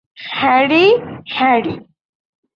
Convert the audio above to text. Harry, Harry.